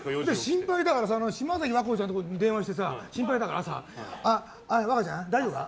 心配だから島崎和歌子ちゃんとか電話してさ和歌ちゃん、大丈夫か？